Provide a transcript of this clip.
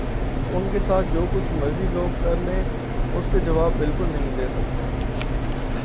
ان کے ساتھ جو کچھ مرضی لوگ کر لیں اس کے جواب بالکل نہیں دے سکتے